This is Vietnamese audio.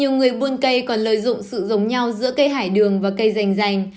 nhiều người buôn cây còn lợi dụng sự giống nhau giữa cây hải đường và cây rành rành